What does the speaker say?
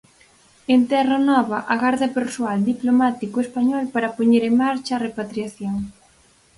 En Terra Nova agarda persoal diplomático español para poñer en marcha a repatriación.